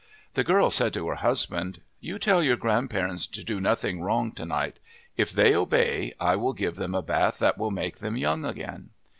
The girl said to her husband :" You tell your grandparents to do nothing wrong to night. If they obey, I will give them a bath that will make them young again."